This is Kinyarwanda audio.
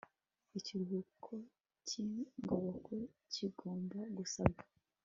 ikiruhuko cy ingoboka kigomba gusabwa